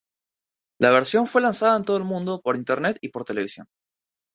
La versión fue lanzada en todo el mundo, por Internet y por televisión.